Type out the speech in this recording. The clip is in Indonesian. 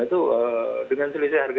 itu dengan selisih harga